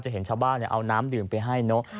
เห็นชาวบ้านเอาน้ำดื่มไปให้เนอะ